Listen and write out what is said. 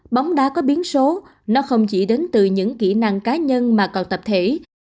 bóng đá có biến số nó không chỉ đến từ những kỹ năng cá nhân mà còn tập thể